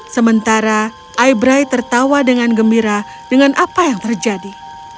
sementara ibry tertawa dengan gembira dengan apa yang terjadi